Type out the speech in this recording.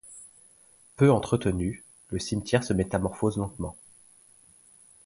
Peu entretenu, le cimetière se métamorphose lentement.